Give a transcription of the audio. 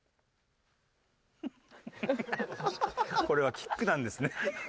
これはキックなんですね？